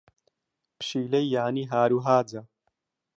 پشیلەی یانی ھاروھاجە.